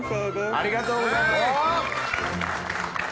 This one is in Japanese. ありがとうございます！